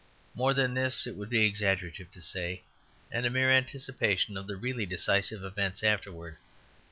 More than this it would be exaggerative to say, and a mere anticipation of the really decisive events afterwards.